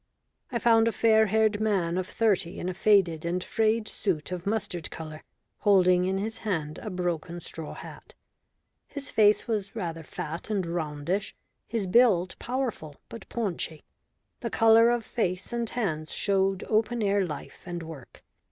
I found a fair haired man of thirty in a faded and frayed suit of mustard colour, holding in his hand a broken straw hat. His face was rather fat and roundish; his build powerful but paunchy. The colour of face and hands showed open air life and work.